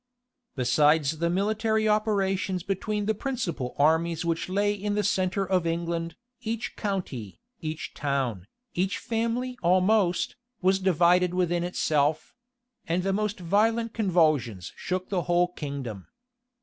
Besides the military operations between the principal armies which lay in the centre of England, each county, each town, each family almost, was divided within itself; and the most violent convulsions shook the whole kingdom.